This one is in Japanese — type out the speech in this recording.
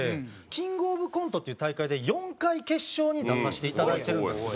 キングオブコントっていう大会で４回決勝に出させていただいてるんですけど。